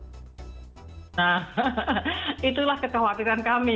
nah itulah kekhawatiran kami